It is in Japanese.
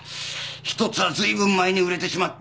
１つはずいぶん前に売れてしまって。